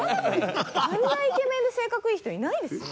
あんなイケメンで性格いい人いないですよ